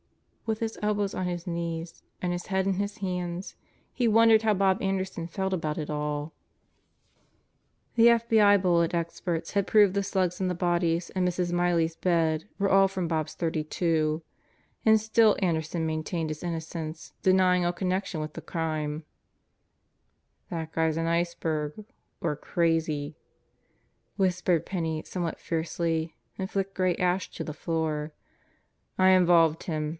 With his elbows on his knees and his head in his hands he wondered how Bob Anderson felt about it all. The FBI bullet experts had proved the slugs in the bodies and Mrs. Miley's bed were all from Bob's .32. And still Anderson maintained his innocence, denying all connection with the crime, "That guy's an iceberg or crazy!" whispered Penney some what fiercely and flicked gray ash to the floor. "I involved him.